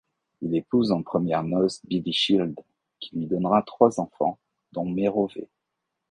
Il épouse en premières noces Bilichilde, qui lui donnera trois enfants, dont Mérovée.